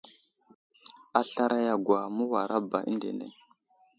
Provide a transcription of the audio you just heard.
A slaray a gwa, məwara ba əndene.